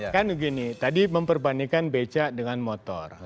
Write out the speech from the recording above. kan begini tadi memperbandingkan becak dengan motor